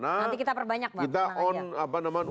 nanti kita perbanyak bang